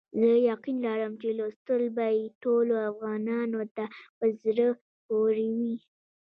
زه یقین لرم چې لوستل به یې ټولو افغانانو ته په زړه پوري وي.